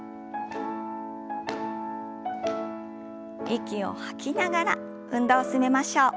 息を吐きながら運動を進めましょう。